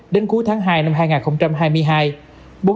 đến cuối tháng hai năm hai nghìn hai mươi hai